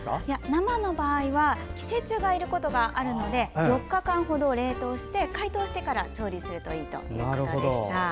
生の場合は寄生虫がいることがあるので４日間ほど冷凍して解凍してから調理するといいということでした。